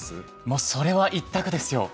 もうそれは一択ですよ。